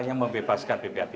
yang membebaskan pbhtb